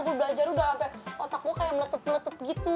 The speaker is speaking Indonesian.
gue belajar udah sampe otak gue kayak meletup letup gitu